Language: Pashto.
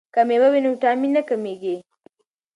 که میوه وي نو ویټامین نه کمیږي.